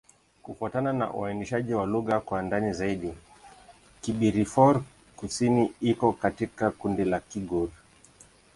Kufuatana na uainishaji wa lugha kwa ndani zaidi, Kibirifor-Kusini iko katika kundi la Kigur.